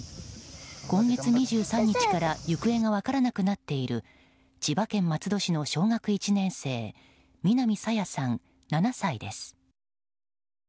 今月２３日から行方が分からなくなっている千葉県松戸市の小学１年生南朝芽さん、７歳です。